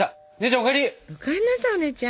お姉ちゃん！